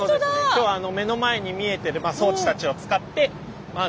今日は目の前に見えてる装置たちを使ってはい。